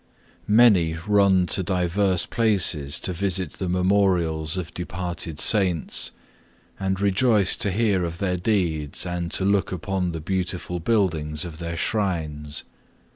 9. Many run to diverse places to visit the memorials of departed Saints, and rejoice to hear of their deeds and to look upon the beautiful buildings of their shrines.